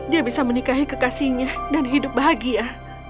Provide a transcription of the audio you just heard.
dia bisa menikahi kekasihnya dan hidup bahagia